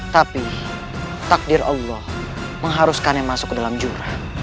tapi takdir allah mengharuskan yang masuk ke dalam jurah